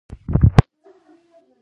کچالو د ناروغانو لپاره هم ښه دي